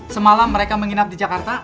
semalam mereka menginap di jakarta